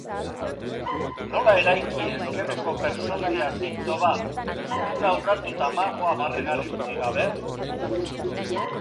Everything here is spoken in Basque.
Nola eraiki ezkerreko pertsonaia zintzo bat ituna urratu eta magoa barregarri utzi gabe?